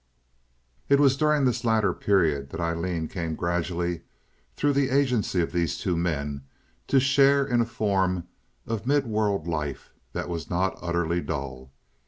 It was during this latter period that Aileen came gradually, through the agency of these two men, to share in a form of mid world life that was not utterly dull.